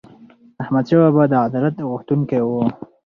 احمدشاه بابا د عدالت غوښتونکی و.